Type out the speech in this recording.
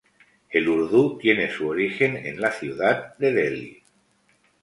El urdú tiene su origen en la ciudad de Delhi.